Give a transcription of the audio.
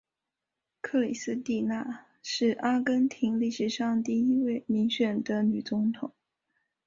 克里斯蒂娜是阿根廷历史上第一位民选的女总统。